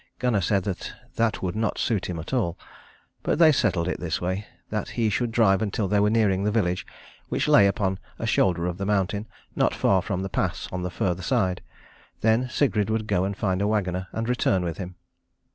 Gunnar said that that would not suit him at all. But they settled it this way, that he should drive until they were nearing the village, which lay upon a shoulder of the mountain, not far from the pass on the further side. Then Sigrid would go and find a wagoner and return with him.